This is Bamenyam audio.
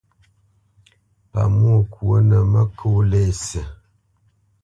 Pamwô kwô nǝ mǝkó lésî.